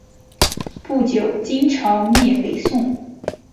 不久金朝灭北宋。